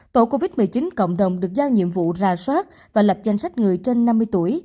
tổ covid một mươi chín cộng đồng được giao nhiệm vụ ra soát và lập danh sách người trên năm mươi tuổi